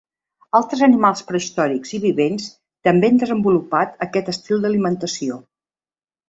Altres animals prehistòrics i vivents també han desenvolupat aquest estil d'alimentació.